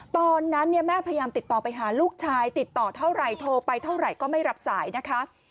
ตอนนั้นเนี่ยแม่พยายามติดต่อไปหาลูกชายติดต่อเท่าไหร่โทรไปเท่าไหร่ก็ไม่รับสายนะคะ